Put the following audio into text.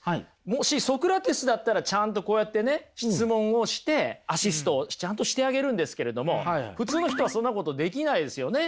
もしソクラテスだったらちゃんとこうやってね質問をしてアシストをちゃんとしてあげるんですけれども普通の人はそんなことできないですよね。